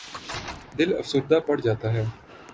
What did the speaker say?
دل افسردہ پڑ جاتا ہے۔